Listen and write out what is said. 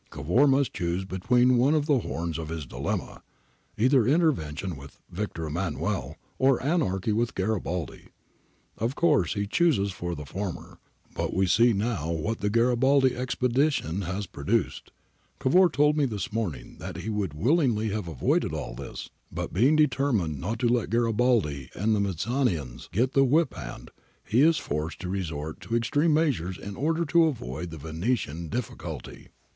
] 'Cavour must choose between one of the horns of his dilemma. Either inter\'ention with Victor Emmanuel, or anarchy with Garibaldi. Of course he chooses for the former, but we see now what the Garibaldi expedition has produced, Cavour told me this morning that he would willingly have avoided all this, but being determined not to let Garibaldi and the Mazzinians get the whip hand, he is forced to resort to APPENDIX A 313 extreme measures in order to avoid the Venetia difficulty.